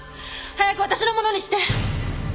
早くわたしのものにして。